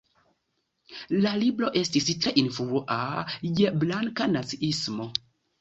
La libro estis tre influa je blanka naciismo.